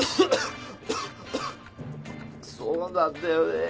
そうなんだよね。